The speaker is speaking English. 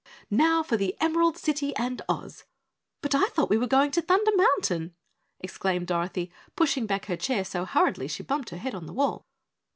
"Now for the Emerald City and Oz!" "But I thought we were going to Thunder Mountain," exclaimed Dorothy, pushing back her chair so hurriedly she bumped her head on the wall.